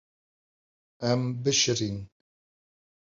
Em bişirîn.